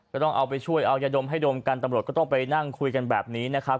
ก็ต้องเอาไปช่วยเอายาดมให้ดมกันตำรวจก็ต้องไปนั่งคุยกันแบบนี้นะครับ